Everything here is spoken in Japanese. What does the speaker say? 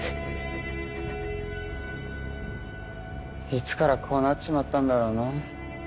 いつからこうなっちまったんだろうな。